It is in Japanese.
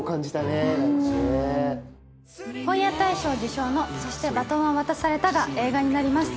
本屋大賞受賞の『そして、バトンは渡された』が映画になります。